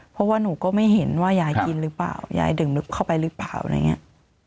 เพราะว่าหนูก็ไม่เห็นว่ายายกินหรือเปล่ายายดื่มลึกเข้าไปหรือเปล่าอะไรอย่างนี้